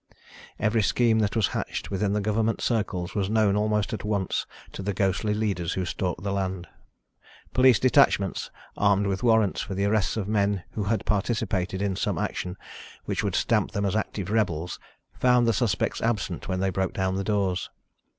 Every scheme that was hatched within the government circles was known almost at once to the ghostly leaders who stalked the land. Police detachments, armed with warrants for the arrests of men who had participated in some action which would stamp them as active rebels, found the suspects absent when they broke down the doors.